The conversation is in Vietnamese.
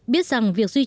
biết rằng việc duy trì